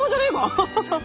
ハハハッ。